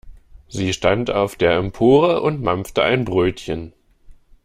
Sie stand auf der Empore und mampfte ein Brötchen.